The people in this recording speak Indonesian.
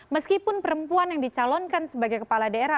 meskipun perempuan yang dicalonkan sebagai kepala daerah